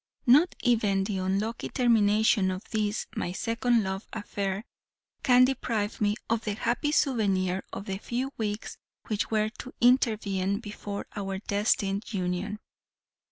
Not even the unlucky termination of this my second love affair can deprive me of the happy souvenir of the few weeks which were to intervene before our destined union.